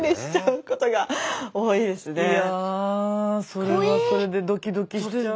それはそれでドキドキしちゃうわ。